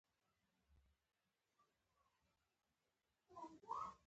• د سهار دعا د ژوند د بریا راز دی.